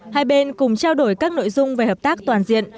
hai bên cùng trao đổi các nội dung về hợp tác toàn diện